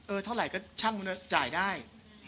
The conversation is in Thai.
เออเท่าไหร่ก็ช่างก็จ่ายได้